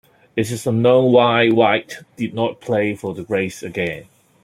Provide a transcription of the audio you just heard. It is unknown why White did not play for the Grays again.